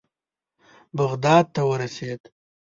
بغداد ته ورسېدو.